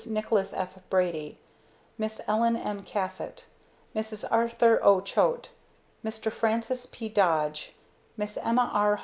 NICHOLAS F. BRADY MISS ELLEN M. CASSATT MRS. ARTHUR O. CHOATE MR. FRANCIS P. DODGE MISS EMMA R.